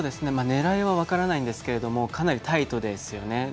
ねらいは分からないんですがかなりタイトですよね。